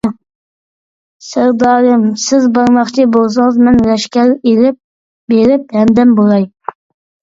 سەردارىم، سىز بارماقچى بولسىڭىز، مەن لەشكەر ئېلىپ بېرىپ ھەمدەم بولاي.